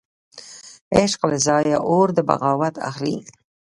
عشق له ځانه اور د بغاوت اخلي